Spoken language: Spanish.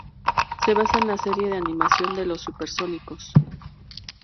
Se basa en la serie de animación de Los Supersónicos.